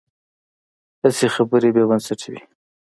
هسې خبرې بې بنسټه وي.